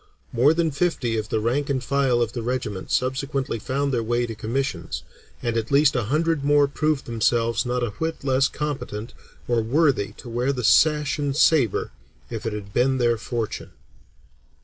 More than fifty of the rank and file of the regiment subsequently found their way to commissions, and at least a hundred more proved themselves not a whit less competent or worthy to wear sash and saber if it had been their fortune."